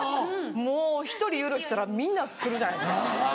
もう１人許したらみんな来るじゃないですか。